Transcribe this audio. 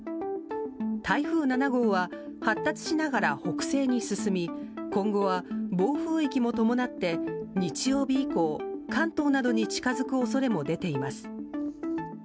台風７号は発達しながら北西に進み今後は、暴風域も伴って日曜日以降関東などに近づく恐れも出ています。